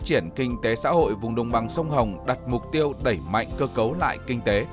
triển kinh tế xã hội vùng đồng bằng sông hồng đặt mục tiêu đẩy mạnh cơ cấu lại kinh tế